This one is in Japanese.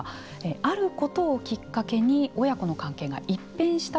あることをきっかけに親子の関係が一変した